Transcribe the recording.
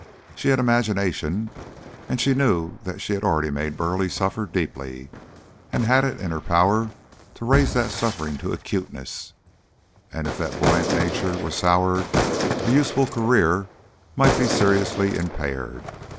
She had imagination, and she knew that she already had made Burleigh suffer deeply, and had it in her power to raise that suffering to acuteness; and if that buoyant nature were soured, a useful career might be seriously impaired.